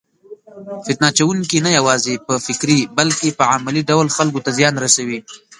فتنه اچونکي نه یوازې په فکري بلکې په عملي ډول خلکو ته زیان رسوي.